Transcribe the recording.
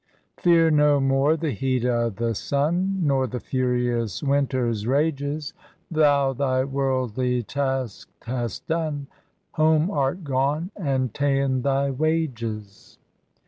Fear no more the heat o* the sun, Nor the furious winter's rages; Thou thy worldly task hast done, Home art gone, and ta'en thy wages.